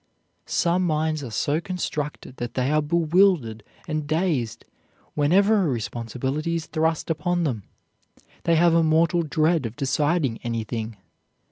Some minds are so constructed that they are bewildered and dazed whenever a responsibility is thrust upon them; they have a mortal dread of deciding anything.